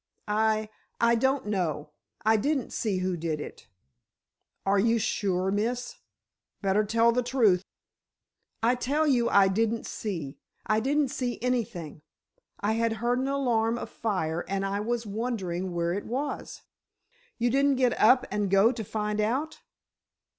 "I—I don't know. I didn't see who did it." "Are you sure, Miss? Better tell the truth." "I tell you I didn't see—I didn't see anything! I had heard an alarm of fire, and I was wondering where it was." "You didn't get up and go to find out?"